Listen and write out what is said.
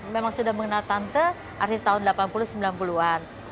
memang sudah mengenal tante akhir tahun delapan puluh sembilan puluh an